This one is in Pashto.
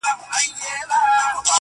زه تر مور او پلار پر ټولو مهربان یم-